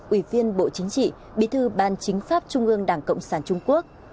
ủy viên bộ chính trị bí thư ban chính pháp trung ương đảng cộng sản trung quốc